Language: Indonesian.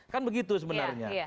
kan begitu sebenarnya